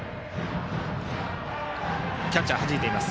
キャッチャーはじいています。